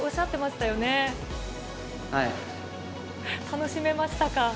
楽しめましたか？